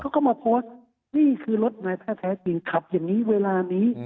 เขาก็มาโพสต์นี่คือรถนายแพทย์แท้จริงขับอย่างนี้เวลานี้